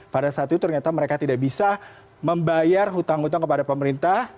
pada saat itu ternyata mereka tidak bisa membayar hutang hutang kepada pemerintah